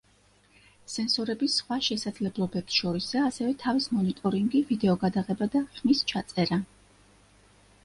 სენსორების სხვა შესაძლებლობებს შორისაა ასევე თავის მონიტორინგი, ვიდეოგადაღება და ხმის ჩაწერა.